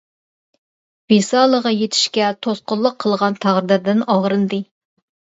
ۋىسالىغا يېتىشكە توسقۇنلۇق قىلغان تەقدىردىن ئاغرىندى.